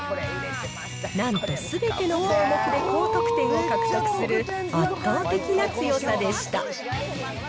なんとすべての項目で高得点を獲得する圧倒的な強さでした。